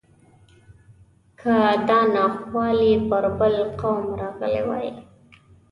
که دا ناخوالې پر بل قوم راغلی وای.